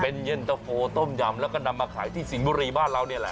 เป็นเย็นตะโฟต้มยำแล้วก็นำมาขายที่สิงห์บุรีบ้านเรานี่แหละ